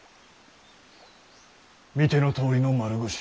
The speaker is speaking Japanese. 見てのとおりの丸腰。